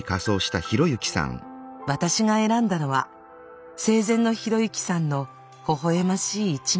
私が選んだのは生前の啓之さんのほほ笑ましい一枚。